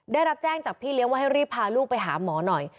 ได้รับแจ้งจากพี่เลี้ยงว่าให้รีบพาลูกไปหาหมอหน่อย